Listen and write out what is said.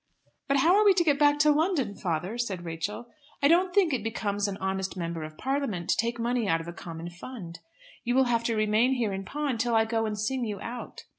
"But how are we to get back to London, father?" said Rachel. "I don't think it becomes an honest Member of Parliament to take money out of a common fund. You will have to remain here in pawn till I go and sing you out."